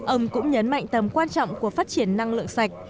ông cũng nhấn mạnh tầm quan trọng của phát triển năng lượng sạch